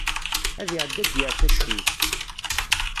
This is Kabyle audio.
Ad iɛeddi ad yerr tacuyt.